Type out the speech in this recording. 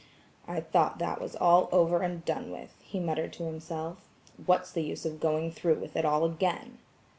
"I thought that was all over and done with," he muttered to himself. "What is the use of going through with it all again?